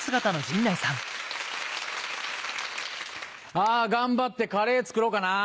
あぁ頑張ってカレー作ろうかなぁ。